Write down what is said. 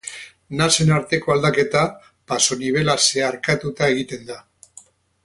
Nasen arteko aldaketa pasonibela zeharkatuta egiten da.